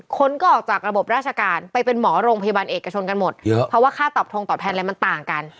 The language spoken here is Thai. คนก็ออกจากระบบราชการไปเป็นหมอโรงพยาบาลเอกชนกันหมดเยอะเพราะว่าค่าตอบทงตอบแทนอะไรมันต่างกัน